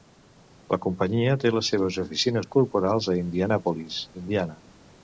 La companyia té les seves oficines corporals a Indianapolis, Indiana.